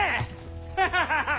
ハハハハハッ！